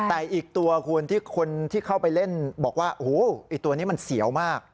แต่อีกตัวคุณที่คนที่เข้าไปเล่นบอกว่าโอ้โหไอ้ตัวนี้มันเสียวมาก